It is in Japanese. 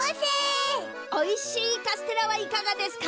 おいしいカステラはいかがですか？